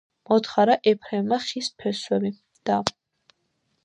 მოთხარა ეფრემამ ხის ფესვები და...